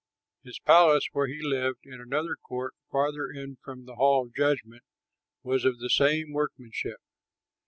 His palace where he lived, in another court farther in from the Hall of Judgment, was of the same workmanship.